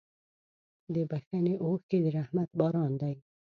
د بښنې اوښکې د رحمت باران دی.